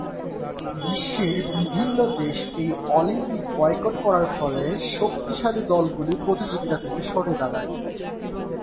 বিশ্বের বিভিন্ন দেশ এই অলিম্পিক বয়কট করার ফলে শক্তিশালী দলগুলি প্রতিযোগিতা থেকে সরে দাঁড়ায়।